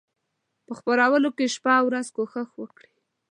په خپرولو کې شپه او ورځ کوښښ وکړي.